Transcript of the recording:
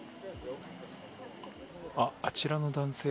あ、あちらの男性